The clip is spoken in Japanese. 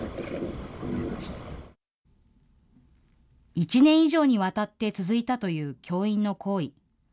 １年以上にわたって続いたという教員の行為。